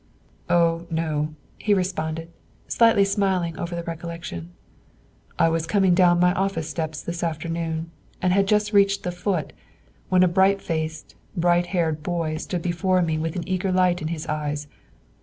"Oh, no," he responded, slightly smiling over the recollection. "I was coming down my office steps this afternoon, and had just reached the foot, when a bright faced, bright haired boy stood before me with an eager light in his eyes.